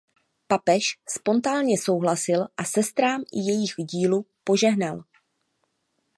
Papež spontánně souhlasil a sestrám i jejich dílu požehnal.